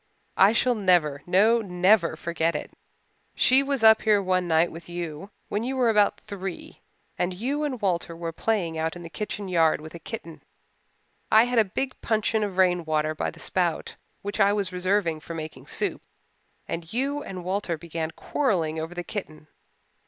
"I shall never, no never, forget it. She was up here one night with you when you were about three, and you and Walter were playing out in the kitchen yard with a kitten. I had a big puncheon of rainwater by the spout which I was reserving for making soap. And you and Walter began quarrelling over the kitten.